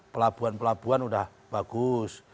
pelabuhan pelabuhan sudah bagus